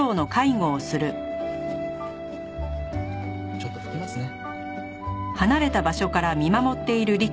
ちょっと拭きますね。